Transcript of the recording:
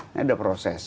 ini ada proses